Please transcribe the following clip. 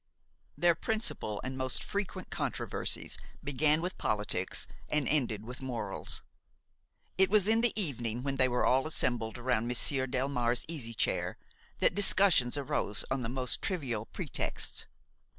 Their principal and most frequent controversies began with politics and ended with morals. It was in the evening, when they were all assembled around Monsieur Delmare's easy chair, that discussions arose on the most trivial pretexts.